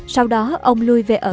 sau đó ông lùi về ở